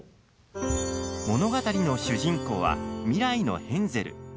物語の主人公は、未来のヘンゼル。